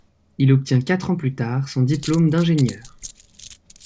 Il obtient quatre ans plus tard son diplôme d'ingénieur.